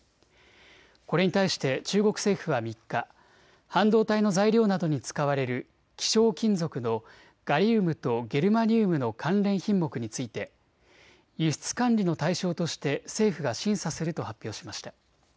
これに対して中国政府は３日、半導体の材料などに使われる希少金属のガリウムとゲルマニウムの関連品目について輸出管理の対象として政府が審査すると発表しました。